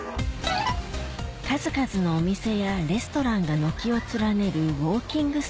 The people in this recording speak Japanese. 数々のお店やレストランが軒を連ねるウォーキング